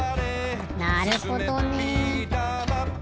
なるほどね。